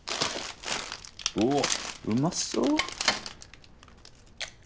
おっうまそう。